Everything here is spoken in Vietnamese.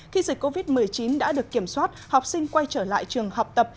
khi dịch covid một mươi chín đã được kiểm soát học sinh quay trở lại trường học tập